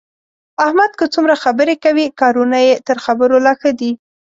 احمد که څومره خبرې کوي، کارونه یې تر خبرو لا ښه دي.